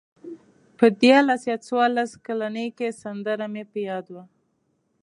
په دیارلس یا څوارلس کلنۍ کې سندره مې په یاد وه.